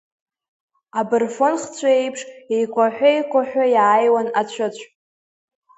Абырфын хцәы еиԥш, еикәаҳәы-еикәаҳәы иааиуан ацәыцә.